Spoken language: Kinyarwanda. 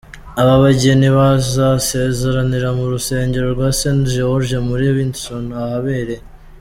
Aba bageni bazasezeranira mu rusengero rwa St George muri Windsor ahabereye .